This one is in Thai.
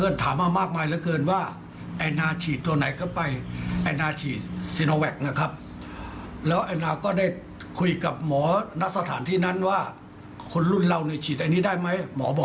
อยากให้ฉีดมากกว่ายังไงก็ดีกว่าไม่ได้ฉีดนะครับ